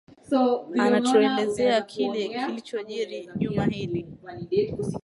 anatuelezea kile kilichojiri juma hili